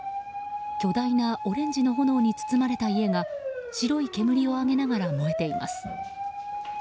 巨大なオレンジの炎に包まれた家が白い煙を上げながら燃えています。